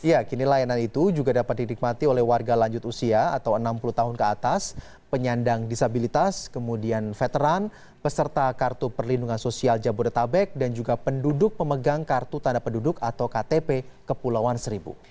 ya kini layanan itu juga dapat dinikmati oleh warga lanjut usia atau enam puluh tahun ke atas penyandang disabilitas kemudian veteran peserta kartu perlindungan sosial jabodetabek dan juga penduduk pemegang kartu tanda penduduk atau ktp kepulauan seribu